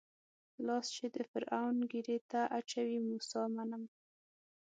لاس چې د فرعون ږيرې ته اچوي موسی منم.